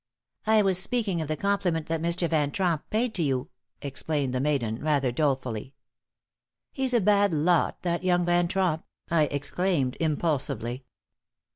"I was speaking of the compliment that Mr. Van Tromp paid to you," explained the maiden, rather dolefully. "He's a bad lot, that young Van Tromp," I exclaimed, impulsively.